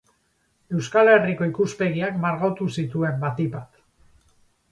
Euskal Herriko ikuspegiak margotu zituen, batik bat.